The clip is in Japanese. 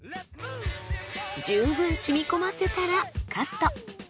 十分染み込ませたらカット。